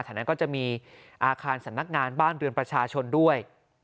แถวนั้นก็จะมีอาคารสำนักงานบ้านเรือนประชาชนด้วย